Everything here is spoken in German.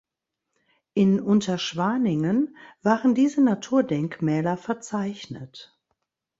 In Unterschwaningen waren diese Naturdenkmäler verzeichnet.